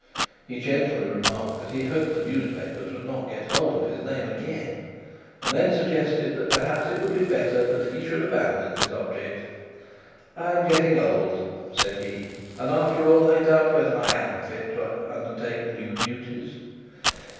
He gently remarked that he hoped the newspapers would not get hold of his name again, and then suggested that perhaps it would be better that he should abandon his object. 'I am getting old,' said he; 'and after all I doubt whether I am fit to undertake new duties.'